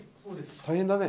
大変だね。